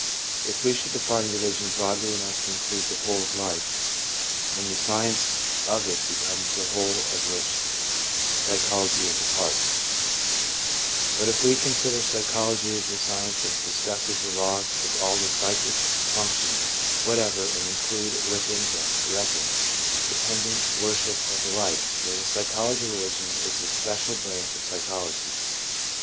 If we should define religion broadly enough to include the whole of life, then the science of it becomes the whole of which psychology is a part ; but if we consider psychology as the science which discusses the laws of all the psychic function ings whatever, and include within them reverence, de pendence, worship, and the like, then the psychology of religion is a special branch of psychology.